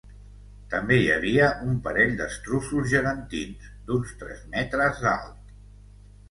També hi havia un parell d'estruços gegantins, d'uns tres metres d'alt.